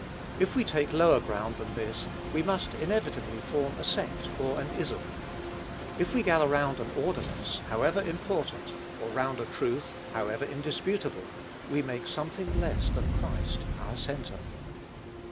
If we take lower ground than this we must inevitably form a sect or an ism. If we gather round an ordinance, however important, or round a truth, however indisputable, we make something less than Christ our centre.